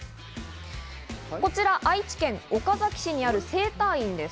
愛知県岡崎市にある整体院です。